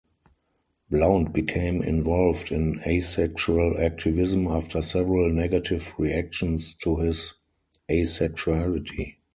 Blount became involved in Asexual activism after several negative reactions to his Asexuality.